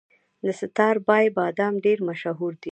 د ستاربای بادام ډیر مشهور دي.